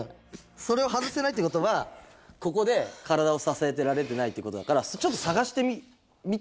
それを外せないってことはここで体をささえてられてないっていうことだからちょっとさがしてみて。